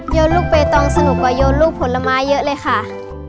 ลูกใบตองสนุกกว่าโยนลูกผลไม้เยอะเลยค่ะ